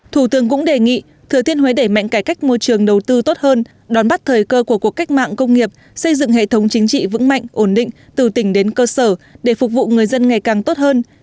thủ tướng cũng đề nghị thừa thiên huế đẩy mạnh cải cách môi trường đầu tư tốt hơn đón bắt thời cơ của cuộc cách mạng công nghiệp xây dựng hệ thống chính trị vững mạnh ổn định từ tỉnh đến cơ sở để phục vụ người dân ngày càng tốt hơn